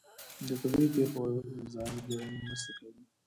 د طبیعي پیښو وزارت بیړنۍ مرستې کوي